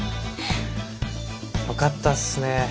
よかったっすね